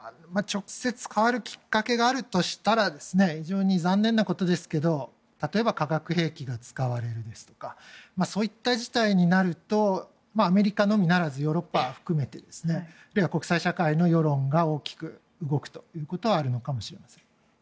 直接変わるきっかけがあるとしたら非常に残念なことですが例えば化学兵器が使われるですとかそういった事態になるとアメリカのみならずヨーロッパ含めてあるいは国際社会の世論が大きく動くということはあるのかもしれません。